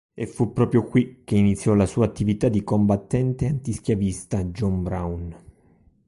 E fu proprio qui che iniziò la sua attività di combattente antischiavista John Brown.